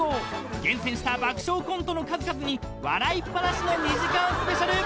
厳選した爆笑コントの数々に笑いっぱなしの２時間スペシャル。